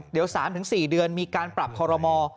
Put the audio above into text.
เดี๋ยว๓๔เดือนมีการปรับคอรมอ